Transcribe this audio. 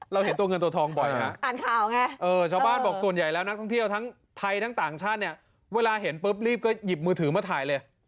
เห็นตัวเงินตัวทองบ่อยฮะอ่านข่าวไงเออชาวบ้านบอกส่วนใหญ่แล้วนักท่องเที่ยวทั้งไทยทั้งต่างชาติเนี่ยเวลาเห็นปุ๊บรีบก็หยิบมือถือมาถ่ายเลย